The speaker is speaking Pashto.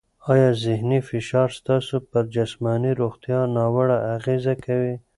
آیا ذهني فشار ستاسو پر جسماني روغتیا ناوړه اغېزه کوي؟